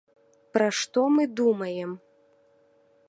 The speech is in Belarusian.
Пра што мы думаем?